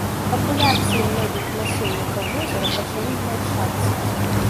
Папуляцыі многіх насельнікаў возера пачалі змяншацца.